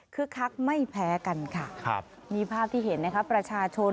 คือคักไม่แพ้กันค่ะครับนี่ภาพที่เห็นนะคะประชาชน